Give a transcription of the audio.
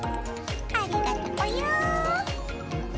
ありがとぽよ！